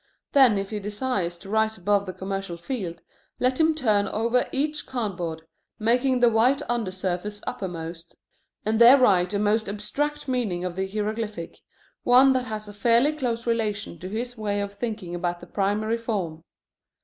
Then if he desires to rise above the commercial field, let him turn over each cardboard, making the white undersurface uppermost, and there write a more abstract meaning of the hieroglyphic, one that has a fairly close relation to his way of thinking about the primary form.